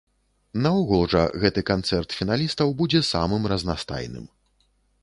Наогул жа гэты канцэрт фіналістаў будзе самым разнастайным.